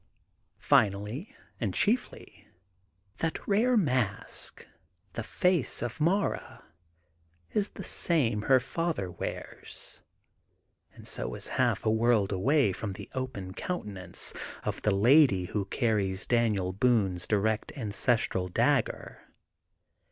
Finally, and chiefly, that rare mask, the face of Mara is the same her father wears, and so is half a world away from the open counte nance of the lady who carries Daniel Boone 's direct ancestral dagger.